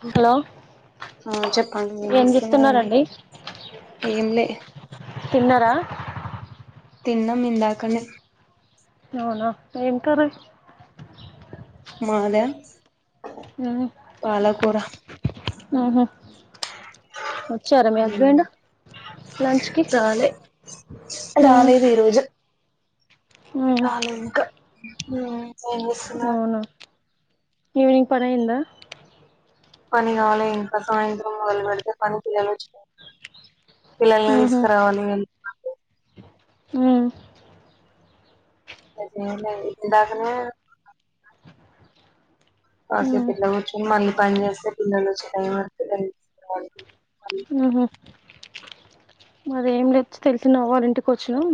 Hello ఆ చెప్పండి. ఏమి చేస్తున్నారండి. ఏం లే. తిన్నారా తిన్నం ఇందాక నె అవునా ఏంకర్రి మా ద ఆహ వచ్చారా మీ హస్బెండ్ లంచ్ కి రా లె మ్మ్ రాలెద ఇరోజు మ్మ్ రాలే ఇంకా ఏం చేస్తున్నారు అవునా ఈవినింగ్ పనయిందా పని కాలెఇంకా సాయంత్రం వాళ్ళు వెలితే పనికియలోచ్చు పిల్లల్ని మ్మ్ తీసుకురావాలి ఉ మ్ ఇంక చేయెలెఇందాకనే మ్మ్ కాసేప్ ఇట్లకూర్చొని మళ్ళీ పని చేస్తే పిల్లలు వచ్చి టైం వరకు కనిపి ఉహు మరేం లేంచ్చతెలిసిన వాళ్ళఇంటికి వచ్చినం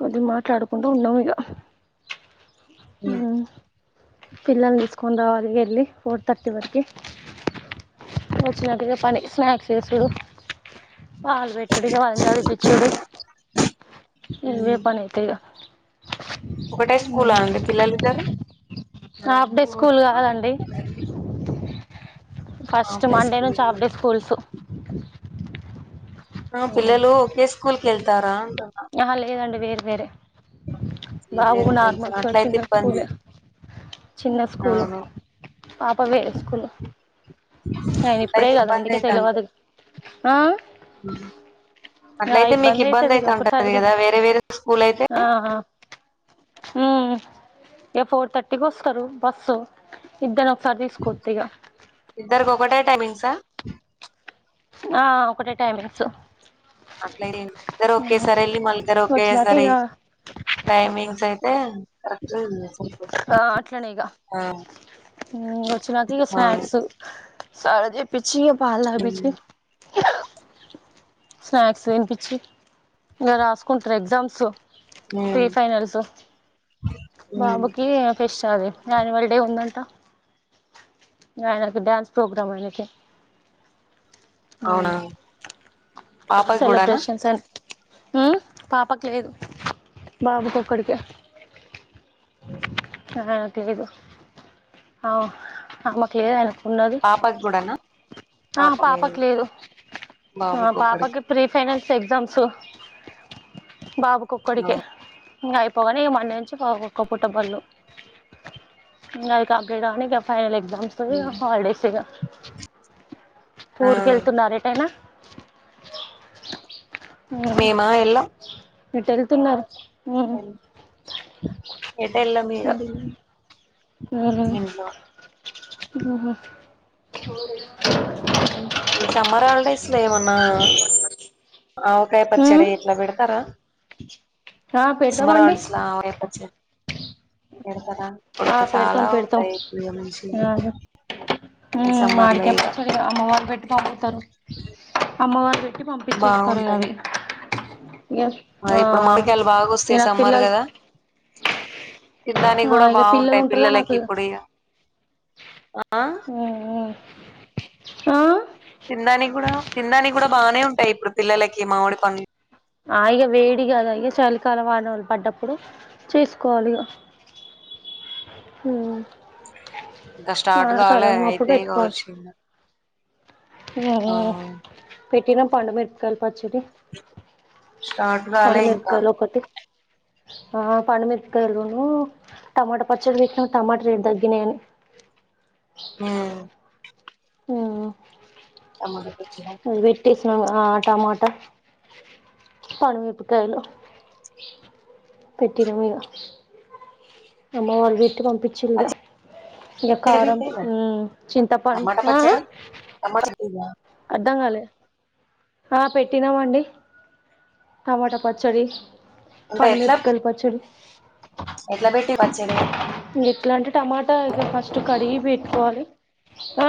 కొద్ది మాట్లాడుకుండఉన్నాం ఇగ ఉ ఉ పిల్లల్నితీసుకొని రావాలి వెళ్ళి ఫోర్ థర్టీ వరకి వచ్చినట్టుగా పని స్నాక్చే సుడు వాళ్ళుపెట్టుడుఇగ చదివిపిచ్చడు ఇవెపని అయితే ఇగ ఒకటే స్కూల్ ఆ మ్మ్ అండి పిల్లలు ఇద్దరు హాఫ్ డే స్కూల్ కాదండి ఫస్ట్ మండే నుంచి ఆప్డే స్కూల్స్ ఆ పిలలు ఓకే స్కూల్ కెళ్తారా అంట ఆహ లేదండి వేర్‌వేరే బాబు వేరువేరు తెలుసు నార్మల్స్ అట్లయితే చిన్న ఇబ్బంది స్కూలే చిన్న స్కూలు అవును పాపవేరెస్కూల్ ఆయన ఇప్పుడే అట్లయితే కదా ఇబ్బంది అందుకే అయితంది తెలవదు ఆ ఆ అట్లయితే మీకు ఇబ్బంది అయితది అయిత ఒకసారి ఉంటది కదా తీస్తే వేరే వేరే స్కూల్ అయితే ఆ ఆ ఉఊ ఇక ఫోర్ థర్టీకి వస్తారు బస్సు ఇద్దరు ఒకసారి తీసుకోచ్చ ఇ గ ఇద్దరకొఒకటే టైమింగ్స ఆ ఒకటే టైమింగ్స్ అట్ల ఇద్దరు ఓకే సారివెళ్ళి మళ్ళి ఇద్దరు ఓకే వచ్చినాక సారి ఇక టైమింగ్స్ అయితే కరెక్ట్ ఆ అట్లనే ఇక ఆ ఇ వచ్చినాక ఇక ఆ స్నాక్స్ సారజ పిచ్చి పాల ఉమ్ పిచ్చి స్నాక్స్ తినిపించి ఇంకా రాసుకుంటారు ఎగ్జామ్స్ ఉమ్ ప్రీ ఫైైనల్స్ ఉమ్ బాబుకి ఫెస్ాలి యాన్యువల్ డే ఉందంట ఆయనకు డ్యాన్స్ ప్రోగ్రామ్ అయినకి అవునా పాపకి కూడానా సెలబ్రేషన్స్ అ పాపకు లేదు బాబుకిక్కడికి ఆ తెలిదు అవు ఆ మకుళ ఏద అనుకు పాప కూడన ఆ పాపకి లేదు బాబుకి ఒక్కడికి పాపకి ప్రీఫ న్ ఎగ్జామ్స్ బాబుకొక్కడికి ఇంకా అయిపోగానే మళ్ళీ నుంచి ఒక్క పుటబళ్ళు ఇంగ అది కంప్లీట్ అవని ఇగ ఫైనల్ ఎగ్జా గ్జామ్స్ హాలిడేస్ ఇగ ఆ ఊరి కేళ్తున్నారా ఎటైనా న మేమా ఎల్లమ్ ఏటేళ్తున్నారు ఎటు ఎల్లమిగా అహా ఉహు ఈ సమ్మర్ హాలిడేస్ లో ఏమన్నా ఆవకాయ ఉమ్ పచ్చడి ఇట్ల పెడతారా ఆ సమ్మర్ పెడతామండి హాల్డేస్ల ఆవకయ పచ్చడి పెడుతారా ఇప్పుడు ఆ పెడతాం చాలా పెడతాం ఉంటాయి పూలియా మనుషులు ఆ ఉమ్ మాడికాయ పచ్చడి అమ్మవాళ్ళు పెట్టి పంపుతారు అమ్మవాళ్ళు పెట్టి పంపించేస్తారు ఇగ బాగుంటాయి అవి ఇగ మరి ఆ ఇప్పుడు మమిడి కాయలు బాగా ఇగ వస్తాయి నాకు సమ్మర్ పిల్లలు గద తినడానికి ఆ కూడా ఇగ బా పిల్లలు ఉంటారుగా నాకు ఆ ఉ ఆ తినడానికి కూడా తిందానికి కూడా బాగానే ఉంటాయి ఇప్పుడు పిల్లలకి మామిడి పం ఆ ఇగ వేడి కాద ఇగ చలికాల వానోలు పడ్డప్పుడు చేసుకోవాలి ఇగ ఉ ఇంకా స్టార్ట్ కావాలే అయితయి కావచ్చు ఇంగ ఆ ఇవర్దక పెట్టినం పండు మిరపకాయలు పచ్చడి స్టార్ట్ కాలే పండు ఇంకా మిరపకాయలు ఒకటి ఆహా పండు మిరపకాయలును టమాటా పచ్చడి వెట్టినం టమాట రేటు తగ్గినాయని ఆ ఉ ఉ అమ్ముడు అది వెట్టేసినం ఆ టమాటా పండు మిరపకాయలు పెట్టినం ఇగ అమ్మ వాళ్ళు వెట్టి వం పిచ్చిలిగా పచ్చడి ఇంగ కారం పెట్టిర్రా చింతపండు టమాటా ఆ ఆ పచ్చడా టమాటా అర్ధంగాలే హా పెట్టినంమండి టమాటా పచ్చడి ఉంటే పండు ఎట్లా మిరపకాయల్ పచ్చడి ఎట్లా బెట్టి పచ్చడి ఎట్లా అంటే టమాటా ఇట్ల ఫస్ట్ కడిగి పెట్టుకోవాలి ఆ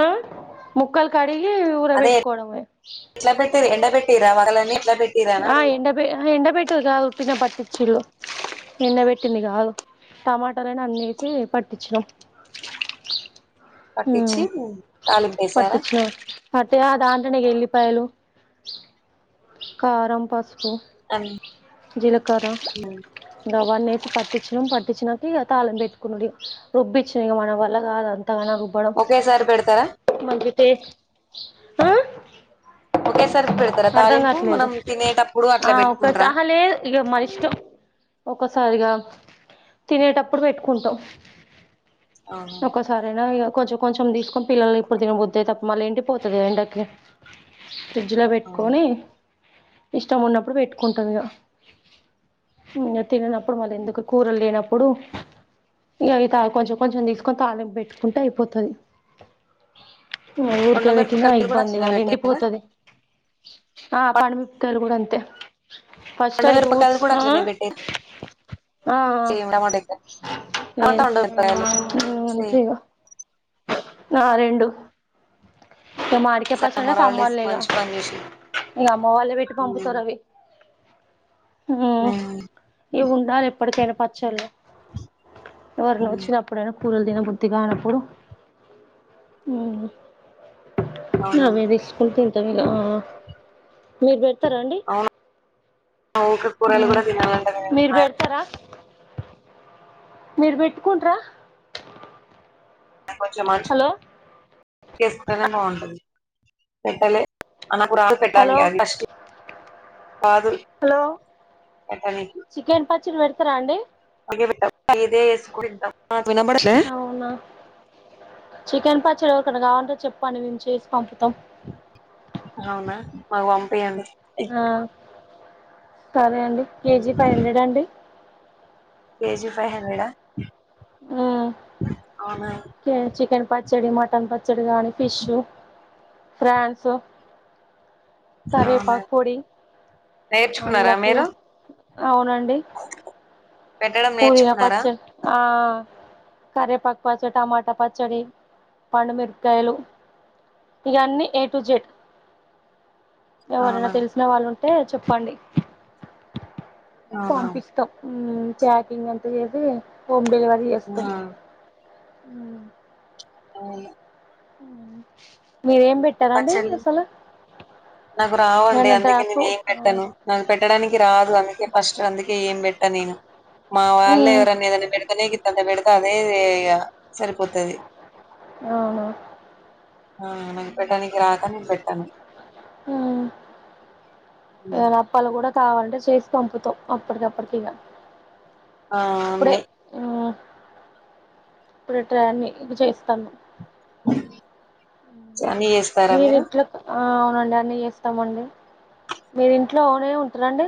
ముక్కలు కా కడిగి అదే ఊరబేట్టుకోడమే ఎట్లా పెట్టిరు ఎండబెట్టిరా వగలని ఎట్లా పెట్టిరా అని ఆ అడుగు ఎండ బే ఆహా ఎండ బెట్టేది కాదు ఉత్తినే పట్టిచిల్లు నిన్న పెట్టింది కాదు టమాటాలనే అన్ని ఏసి పట్టిచినం పట్టిచ్చి తాలింపెసార తే ఆ దాంట్లనే ఇగ ఏళ్ళిపాయలు కారం పసు పు అన్ జీలకర్ర గవన్నె పట్టిచ్చినం పట్టిచ్చినక ఇగ తాలింపు పెట్టుకునుడు ఇగ రుబిచ్చిన మన వల్ల కాదని తగనం రుబ్బడం ఒకేసారి పెడతారా మంచితే ఆ ఓకే సార్ అర్ధం కాట్లేదు ఆ అట్లా ఒకసా పెట్టుకుంటారా ఆహా లేదు ఇగ మనీష్టం ఒక్కసారి కాద్ తినేటప్పుడు పెట్టుకుంటాం అవును ఒకసారేన ఇగ కొంచెం కొంచెం తీసుకొని పిల్లలు ఎప్పుడు తినబుద్ది అయితే అప్ మళ్ళ ఏండిపోతది గా ఎండకి ఫ్రిడ్జ్ల అవును కని ఇష్టం ఉన్నప్పుడు పెట్టుకుంటుందిగా న తిననప్పుడు మళ్ళీ ఎందుకు కూరలు లేనప్పుడు ఇకవి తా కొంచెం కొంచెం తీసుకొని తాళింపు పెట్టుకుంటే అయిపోతుది పండు ఊరికే పెట్టినా మిరపకాయలు కూడా ఇబ్బంది అట్లనే మళ్ళీ పెట్టారా ఎండిపోతది ఆ పాండుమిరపకలు కూడా అంతే పండు ఫస్ట్యిదు ఊస్ మిరపకాయలు కూడా అట్లనే పెట్టారా ఆ సేమ్ టమాటా లెక్క టమాటా పండు మిరపకాయలు సేమ్ ఆ రెండు ఇ మాడికే పచ్చడి సమరాలిస్ సమ్మర్లే ఇగ మంచి పని చేసింది అమ్మ వాళ్ళే పెట్టి పంపుతారు అవి హ ఉమ్ ఇవి ఉండాలి ఎప్పుకైనా పచ్చళు ఎవరైన ఉమ్ వచ్చిన అప్పుడును కూరల దిన బుద్ధిగా అనప్పుడు అవును నామేది స్కూల్ తింతమీగ మీరు స్తారండి అవును ఊకే కూరలు కూడా తినాలంటే మీరు పెడతారా మీరు పెట్టుకుంటార కొంచెం మ చేస్తకునే బాగుంటంది పెట్టాలే అన్నప్పు రాలు హలో పెట్టానికింట అ హలో పెట్టడానికి చికెన్ పచ్చడి పెడతారా అండి అందుకే పెట్టం ఇదే వేసుకుని తింటాం వినబడట్లే అవునా చికెన్ ప చివరిక కావాలంటే చెప్పండి మేము చేసి పంపుతాం అవునా మాకు పంపండి ఆ సరే అండి కేజీ ఫైవ్ హండ్రెడ్ అండి కేజి ఫైవ్ హండ్రెడా ఆ అవునా చికెన్ పచ్చడి మటన్ పచ్చడి కాగాని ఫిష్ ఫన్స్ అవునా కరేపాకు పొడి నేర్చుకున్నారా మల్లపుూ మీరు అవునండి పెట్టడం పూరినా నేర్చుకున్నారా పచ్చ ఆ కరేపాకు పచ్చడి టమాటా పచ్చడి పండుమిరకాయలు ఇవన్నీ ఏ టు జెడ్ ఎవరైనా అవునా తెలిసిన వాళ్ళు ఉంటే చెప్పండి అవునా పంపిస్తాం మ్మ్ ప్యాకింగ్ అంతా చేసి హోమ్ డెలివరీ చేస్తాం అవు మీరేం పెట్టారండి పచ్చళ్ళు అసలు నాకు రావండి ఏమన్నా డ్రై అందుకే నేను ఫ్రూట్ ఏం పెట్టాను నాకు పెట్టడానికి రాదు అందుకే ఫస్ట్ అందుకే ఏం పెట్ట నేను మా వాళ్లే మ్మ్ ఎవరైనా ఏదైనా పెడతేనే అంత పేడతే అదే సరిపోతది అవునా ఆ నకు పెట్టడానికి రాక నేను పెట్టాను ఏ అప్పాల కూడా కావాలంటే చేసి పంపుతాం అప్పటికప్పటికిక ఆ అన్ని ఇప్పుడు ట్రాన్ని చేస్తాను చ అన్ని చేస్తారా మీరు అవునండి అన్నీ చేస్తామండి మీరు ఇంట్లోనే ఉంటరండి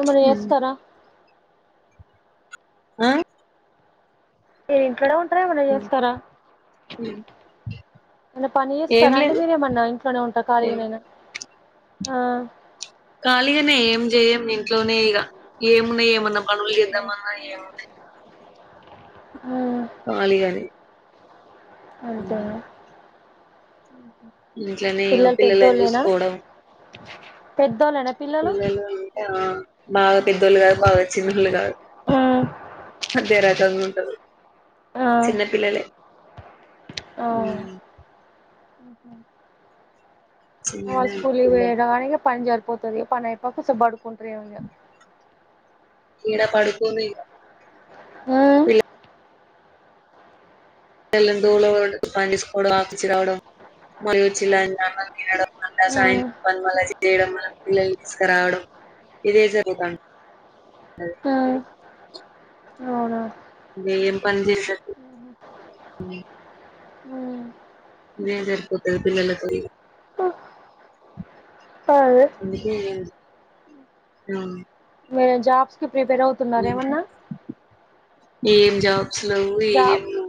ఎమన్నా చేస్తారా ఆ మీరు ఇంట్లో నే ఉంటార ఏమనా చేస్తారా ఏమన్న పని ఏం చేస్తారా అండి లేదు మీరేమన్నా ఇంట్లోనే ఉంటారా చేయరు ఖాళీగానేనా. ఆ ఖాళీగానే ఏం చేయం ఇంట్లోనే ఇక ఏమున్నాయి ఏమన్న పనులు చెందామన్నా ఏమున్నాయ్ ఆ ఖాళీగానే అంతేనా ఇంట్లోనే ఇగ పిల్లలని చూసుకోవడం పెద్ పిల్లలు అంటే ఆ బాగా పెద్దోళ్ళు కాదు బాగా చిన్నోళ్లు కాదు. ఆ మధ్యరకంగా ఉంటారు చిన్నపిల్లలే అవ్ వాళ్ చిన్నగానే స్కూల్కి పిల్లలు పోయేదానికి పని జరుప్ పోతది పని అయిపోగానే కోసేపు పడుకుంటారేమో ఇగ. ఈడ పడుకొను ఇగా ఉమ్ వీళ్ళ పిల్లల్ని దొలడం మళ్ళీ బాక్స్ ఇచ్చి రావడం మళ్ళీ వచ్చి అన్నం తినడం. మల్ల ఉమ్ సాయంత్రం పని మల్ల చేయడం మల్ల పిల్లలు తీసుకురావడం ఇదే జరుగుతాంది. అర్ ఉమ్ అవునా నువ్ ఏం పని చేస ఉ ఇదే సరిపోతది పిల్లలతోని ఇగ అదే అందుకే ఆ మీరే జాబ్స్ కి ప్రిపేర్ అవుతున్నార ఏమన్నా ఏం జాబ్స్ లెవ్వు ఏం జాబ్ లెవ్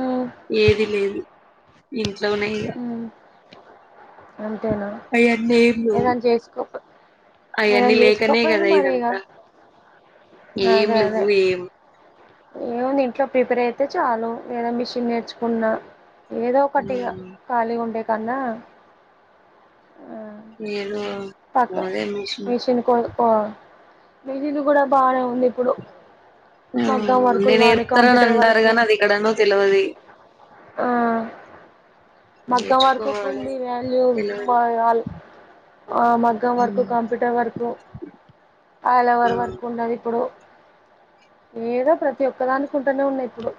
మ్మ్ ఏది లేదు ఇంట్లోనే ఇగ మ్మ్ అంతేనా ఏదైనా చేసుకోపో ఏదైనా అవన్నీ లేకనే చేసుకోపోయిలు కదా మరి ఇగ ఇదంతా ఎమ్ అదే అదే లేవ్వు ఎమ్ ఏముంది ఇంట్లో ప్రిపేర్ అయితే చాలు ఏదన్నా మిషన్ నేర్చుకున్న. ఏదో ఒక్కటి ఇగా హ్మ్ ఖాళీ ఉండే కన్నా ఆ ఏదో పక్క మిషన్ కో హో మిషన్ కూడా బానే ఉంది ఇప్పుడు మగ్గం ఉ వర్కులు కానీ నేర్పుతారని కంప్యూటర్ అంటారు వర్కు గానీ అది ఇక్కడనో తెలువది. ఆ మగ్గం వర్క్ కు నేర్చుకోవాలి ఉండే వాల్యూవ్ తెలవదు మరదాల్ ఆ మగ్గం వర్కు హ్మ్ కంప్యూటర్ వర్కు ఆళ్ళ ఆ వర్క్ ఉండది ఇప్పుడు. ఏదో ప్రతి ఒక్కదానికి ఉంటానే ఉన్నాయి ఇప్పుడు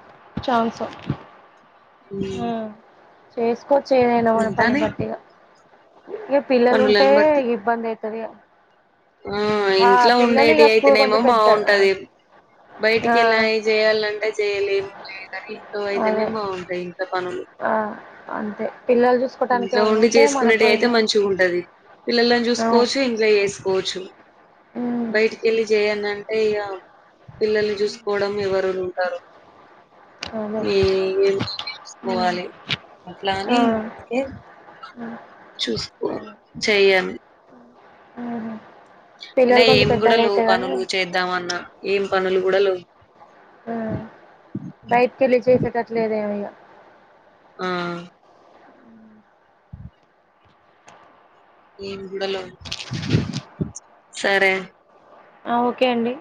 ఛాన్సు. ఆ చేసుకొచ్చు ఏమైనా మన పని ఉంటాని బట్టియిగా ఇగ పిల్లలు ఉంటే పనులను బట్టి ఇబ్బంది అయితది ఇగ ఆ ఇంట్లో ఉండేటివి స్కూల్ అయితేనేమో కొంచెం పెద్ద బాగుంటది. ఆ బయటికి వెళ్లా చేయాలంటే చేయలేం లేద ఇంట్లోనే అయితేనే అదే బాగుంటాయి ఇంటా. ఆ అంతే పిల్లలు చూసుకోటానికి ఇంట్లో ఎవరున్నా ఉండి ఉంటే మన చేసుకునేటివి అయితే పైనా. మంచిగా ఉంటది పిల్లలను చూసుకోవచ్చు ఇంట్లో చేసుకోవచ్చు బయటికి వెళ్ళి చేయల్నం అంటే ఇగా పిల్లలు చూసుకోవడం ఎవరెవరు ఉంటారు. అదే యే ఉమ్, చూస్కువాలి ఆ అట్లానే ఆహా. తే చూసుకోవలి చెయ్యమ్ ఆహా అయినా ఏమి కూడా లేవు పనులు చేద్దామన్న ఎమ్ పనులు కూడా లేవ్. ఆ బయటికి వెళ్ళి చేసేటట్లు ఏమీ లేదు ఇక ఆ ఏం ముండలో సరే ఆ ఓకే అండి